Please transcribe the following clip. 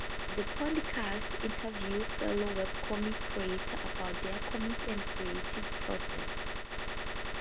The podcast interviewed fellow webcomic creators about their comics and creative process.